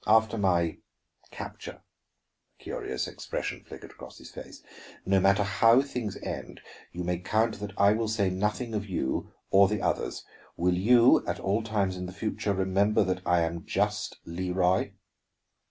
After my capture," a curious expression flickered across his face, "no matter how things end, you may count that I will say nothing of you or the others. Will you, at all times in the future, remember that I am just Leroy?"